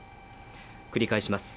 繰り返します。